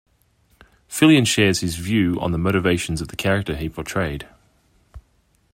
Fillion shares his view on the motivations of the character he portrayed.